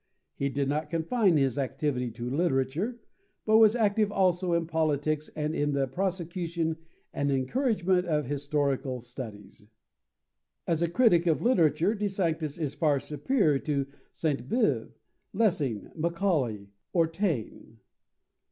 He did not confine his activity to literature, but was active also in politics and in the prosecution and encouragement of historical studies. As a critic of literature, De Sanctis is far superior to Sainte Beuve, Lessing, Macaulay, or Taine.